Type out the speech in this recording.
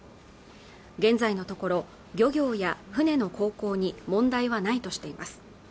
現在のところ漁業や船の航行に問題はないとしています